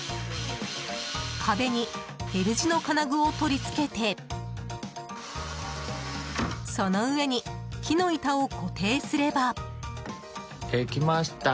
壁にＬ字の金具を取り付けてその上に木の板を固定すれば。